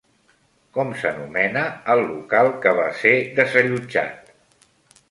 Com s'anomena el local que va ser desallotjat?